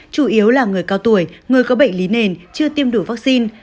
chủ yếu là người cao tuổi người có bệnh lý nền chưa tiêm đủ vaccine